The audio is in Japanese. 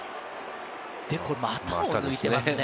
股を抜いていますね。